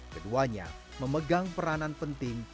keduanya memegang peranan penting